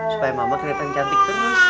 supaya mama kelihatan cantik